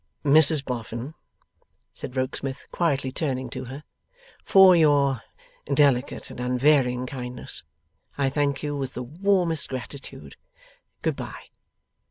'Mrs Boffin,' said Rokesmith, quietly turning to her, 'for your delicate and unvarying kindness I thank you with the warmest gratitude. Good bye!